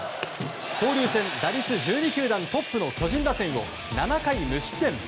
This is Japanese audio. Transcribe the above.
交流戦打率１２球団トップの巨人打線を７回無失点。